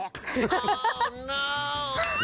น่าวววว